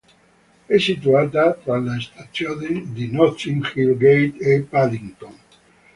È situata tra le stazioni di Notting Hill Gate e Paddington.